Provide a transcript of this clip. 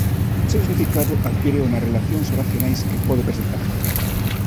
O seu significado adquíreo nas relacións oracionais que pode presentar.